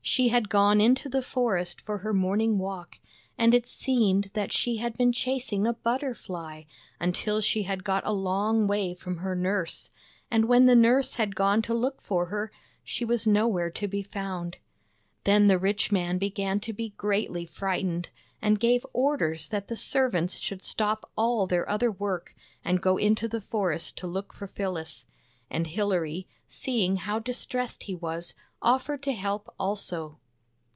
She had gone into the forest for THE BAG OF SMILES her morning walk, and it seemed that she had been chasing a butterfly until she had got a long way from her nurse, and when the nurse had gone to look for her, she was nowhere to be found. Then the rich man began to be greatly frightened, and gave orders that the servants should stop all their other work and go into the forest to look for Phyllis. And Hilary, seeing how distressed he was, offered to help also.